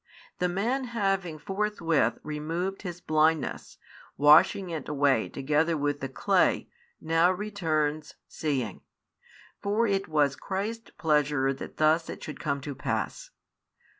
The man having forthwith, removed his blindness, washing it away together with the clay, now returns, seeing. For it was Christ's pleasure that thus it should come to pass.